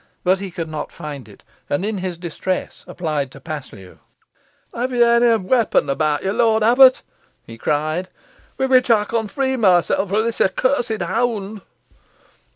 But he could not find it, and in his distress applied to Paslew. "Ha yo onny weepun abowt yo, lort abbut," he cried, "wi' which ey con free mysel fro' this accussed hound?"